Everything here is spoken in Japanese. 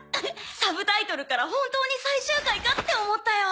サブタイトルから本当に最終回か？って思ったよ。